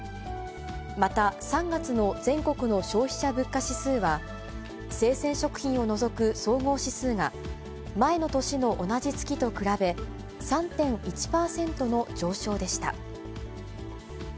また、３月の全国の消費者物価指数は、生鮮食品を除く総合指数が、前の年の同じ月と比べ、３．１％の上昇でした。